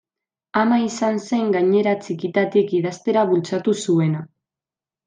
Ama izan zen gainera txikitatik idaztera bultzatu zuena.